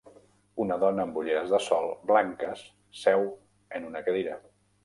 Una dona amb ulleres de sol blanques seu en una cadira.